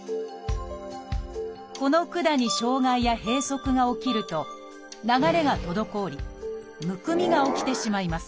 この管に障害や閉塞が起きると流れが滞りむくみが起きてしまいます。